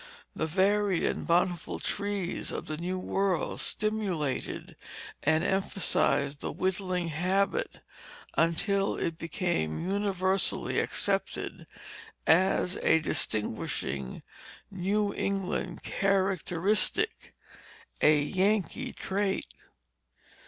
The varied and bountiful trees of the New World stimulated and emphasized the whittling habit until it became universally accepted as a distinguishing New England characteristic, a Yankee trait.